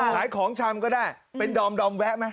ของชำก็ได้เป็นดอมแวะไหม